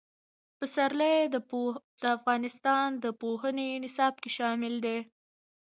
پسرلی د افغانستان د پوهنې نصاب کې شامل دي.